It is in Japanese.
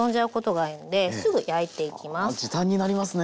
あ時短になりますね。